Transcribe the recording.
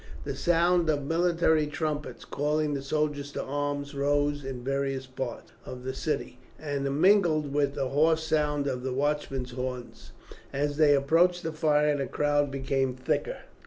The sound of military trumpets calling the soldiers to arms rose in various parts of the city, and mingled with the hoarse sound of the watchmen's horns. As they approached the fire the crowd became thicker.